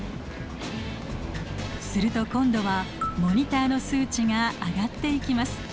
すると今度はモニターの数値が上がっていきます。